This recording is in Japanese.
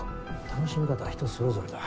楽しみ方は人それぞれだ。